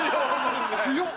強っ。